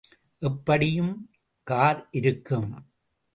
எப்படியும் கார் இருக்கும்.